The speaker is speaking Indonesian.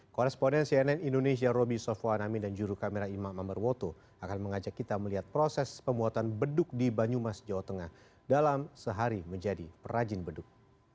koresponden cnn indonesia roby sofwan amin dan juru kamera imam ambarwoto akan mengajak kita melihat proses pembuatan beduk di banyumas jawa tengah dalam sehari menjadi perajin beduk